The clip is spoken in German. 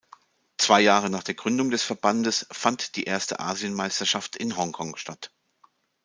Zwei Jahre nach der Gründung des Verbandes fand die erste Asienmeisterschaft in Hongkong statt.